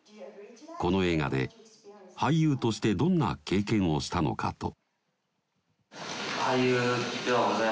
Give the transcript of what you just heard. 「この映画で俳優としてどんな経験をしたのか？」と。